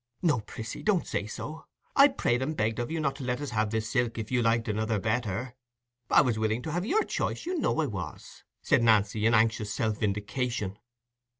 "No, Priscy, don't say so. I begged and prayed of you not to let us have this silk if you'd like another better. I was willing to have your choice, you know I was," said Nancy, in anxious self vindication.